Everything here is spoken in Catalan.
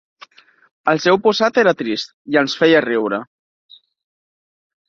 El seu posat era trist, i ens feia riure.